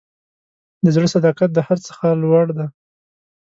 د زړه صداقت د هر څه څخه لوړ دی.